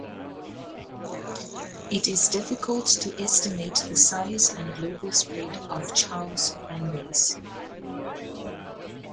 It is difficult to estimate the size and global spread of Chou's fanbase.